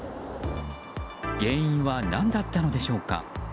原因は何だったのでしょうか。